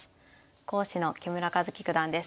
講師の木村一基九段です。